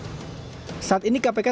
kepada tipikor kepada tipikor kepada tipikor